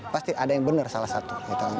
pasti ada yang benar salah satu